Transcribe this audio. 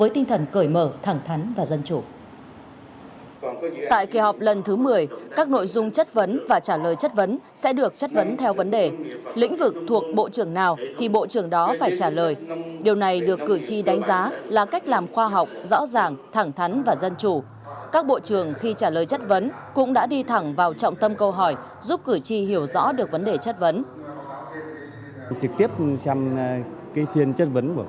tại kỳ họp lần thứ một mươi các nội dung chất vấn và trả lời chất vấn sẽ được chất vấn theo vấn đề lĩnh vực thuộc bộ trưởng nào thì bộ trưởng đó phải trả lời điều này được cử tri đánh giá là cách làm khoa học rõ ràng thẳng thắn và dân chủ các bộ trưởng khi trả lời chất vấn cũng đã đi thẳng vào trọng tâm câu hỏi giúp cử tri hiểu rõ được vấn đề chất vấn